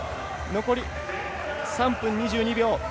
残り３分２２秒。